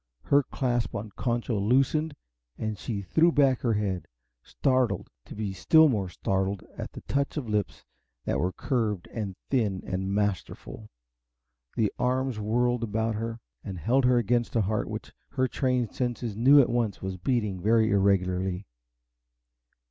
Her clasp on Concho loosened and she threw back her head, startled to be still more startled at the touch of lips that were curved and thin and masterful. The arms whirled her about and held her against a heart which her trained senses knew at once was beating very irregularly.